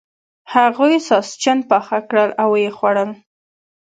هغوی ساسچن پاخه کړل او و یې خوړل.